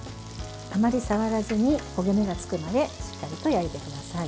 あまり触らずに焦げ目がつくまでしっかりと焼いてください。